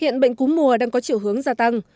hiện bệnh cúm mùa đang có triệu hướng gia tăng